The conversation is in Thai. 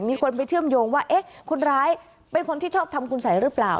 มีคนไปเชื่อมโยงว่าเอ๊ะคนร้ายเป็นคนที่ชอบทำคุณสัยหรือเปล่า